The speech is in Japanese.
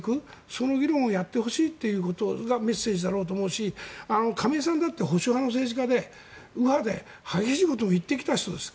その議論をやってほしいというのがメッセージだろうと思うし亀井さんだって保守派の政治家で右派で激しいことも言ってきた人です。